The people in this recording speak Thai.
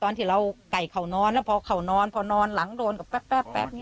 ตอนที่เราไก่เขานอนแล้วพอเขานอนพอนอนหลังโดนกับแป๊บแป๊บแป๊บเนี้ย